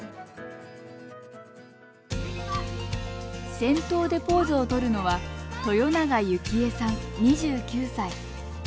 先頭でポーズをとるのは豊永由希恵さん２９歳。